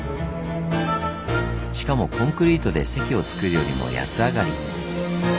しかもコンクリートで堰をつくるよりも安上がり。